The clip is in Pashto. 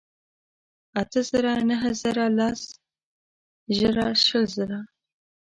اتۀ زره ، نهه زره لس ژره شل زره